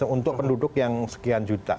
untuk penduduk yang sekian juta